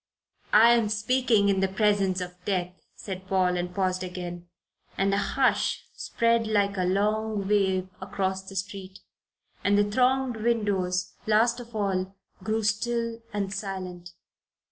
"I am speaking in the presence of death," said Paul, and paused again. And a hush spread like a long wave across the street, and the thronged windows, last of all, grew still and silent.